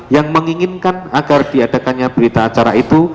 yang menginginkan agar diadakannya berita acara itu